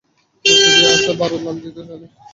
যদি আজ ভারত লাল জিতে যায়, তাহলে নিজেই আপনাকে ক্রেডিট দিবে।